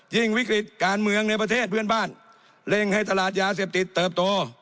วิกฤติการเมืองในประเทศเพื่อนบ้านเร่งให้ตลาดยาเสพติดเติบโต